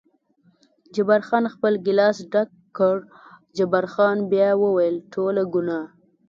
جبار خان خپل ګیلاس ډک کړ، جبار خان بیا وویل: ټوله ګناه.